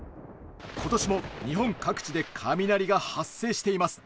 今年も日本各地で雷が発生しています。